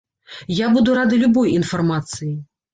Я буду рады любой інфармацыі.